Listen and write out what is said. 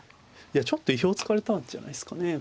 ちょっと意表をつかれたんじゃないですかね。